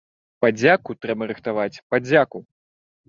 Падзяку трэба рыхтаваць, падзяку.